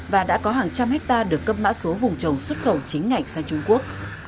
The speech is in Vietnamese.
và đã có hàng trăm hectare được cấp mã số vùng trồng xuất khẩu chính ngạch sang trung quốc